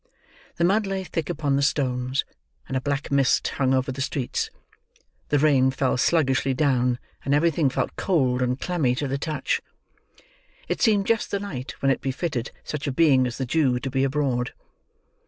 The mud lay thick upon the stones, and a black mist hung over the streets; the rain fell sluggishly down, and everything felt cold and clammy to the touch. It seemed just the night when it befitted such a being as the Jew to be abroad.